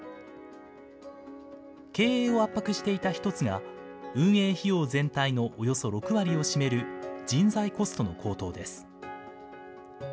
経営を圧迫していた一つが、運営費用全体のおよそ６割を占める人材コストの高騰です。